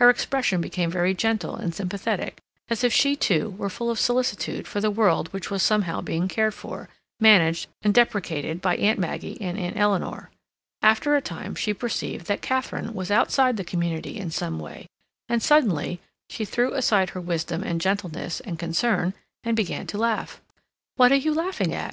Her expression became very gentle and sympathetic, as if she, too, were full of solicitude for the world which was somehow being cared for, managed and deprecated by Aunt Maggie and Aunt Eleanor. After a time she perceived that Katharine was outside the community in some way, and, suddenly, she threw aside her wisdom and gentleness and concern and began to laugh. "What are you laughing at?"